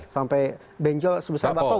sampai benjol sebesar bakau